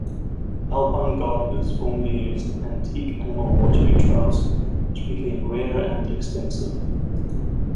Alpine gardeners formerly used antique animal watering troughs, which became rare and expensive.